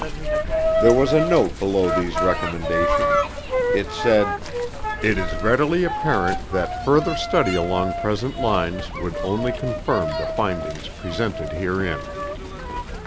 There was a note below these recommendations. It said, "It is readily apparent that further study along present lines would only confirm the findings presented herein."